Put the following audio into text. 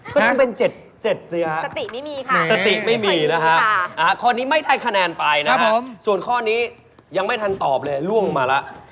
ก็ต้องเป็น๗เสียสติไม่มีนะฮะข้อนี้ไม่ได้คะแนนไปนะฮะส่วนข้อนี้ยังไม่ทันตอบเลยล่วงมาแล้ว